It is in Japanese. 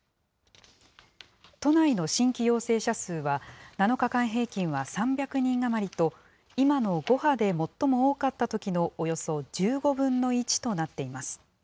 都内の新規陽性者数は、７日間平均は３００人余りと、今の５波で最も多かったときのおよそ１５分の１となっています。